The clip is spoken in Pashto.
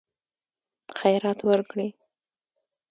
خیرات ورکړي.